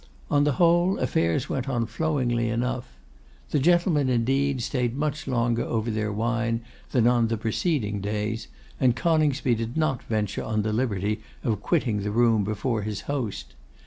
On the whole, affairs went on flowingly enough. The gentlemen, indeed, stayed much longer over their wine than on the preceding days, and Coningsby did not venture on the liberty of quitting the room before his host.